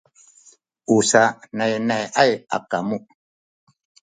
u sananay a kamu sa